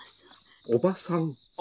「おばさん？」